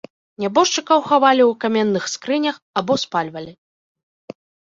Нябожчыкаў хавалі ў каменных скрынях або спальвалі.